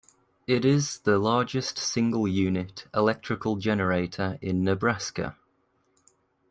It is the largest single-unit electrical generator in Nebraska.